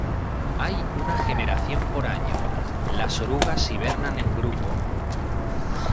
Hay una generación por año, las orugas hibernan en grupo.